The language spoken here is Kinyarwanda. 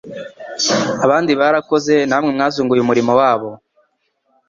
abandi barakoze namwe mwazunguye umurimo wabo